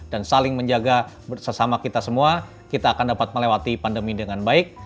dan saling menjaga bersama kita semua kita akan dapat melewati pandemi dengan baik